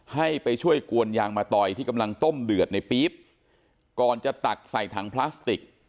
ให้ไปช่วยกวนยางมะตอยที่กำลังต้มเดือดในปี๊บก่อนจะตักใส่ถังพลาสติก